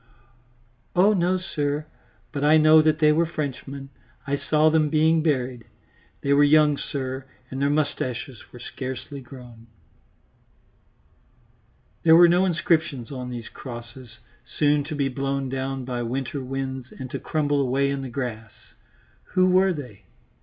"Oh no, sir, but I know that they were Frenchmen; I saw them being buried. They were young, sir, and their moustaches were scarcely grown." There was no inscription on these crosses, soon to be blown down by winter winds and to crumble away in the grass. Who were they?